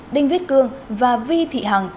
đinh viết cương và vi thị hằng